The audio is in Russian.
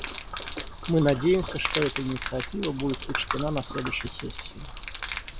Мы надеемся, что эта инициатива будет учтена на следующей сессии.